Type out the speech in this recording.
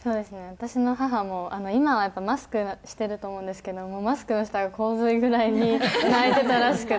私の母も今はやっぱりマスクしてると思うんですけどマスクの下が洪水ぐらいに泣いてたらしくて。